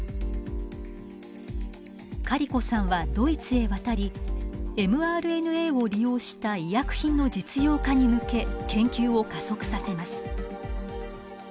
カリコさんはドイツへ渡りｍＲＮＡを利用した医薬品の実用化に向け研究を加速させます。